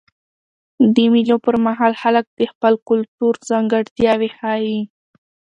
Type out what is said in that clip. د مېلو پر مهال خلک د خپل کلتور ځانګړتیاوي ښیي.